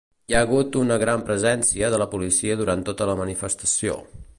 Hi ha hagut una gran presència de la policia durant tota la manifestació.